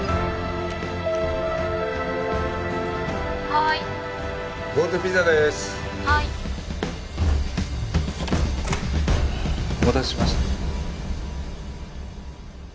「はい」お待たせしました。